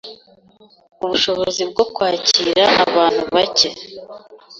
ubushobozi bwo kwakira abantu bacye